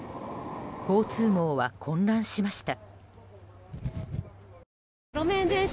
交通網は混乱しました。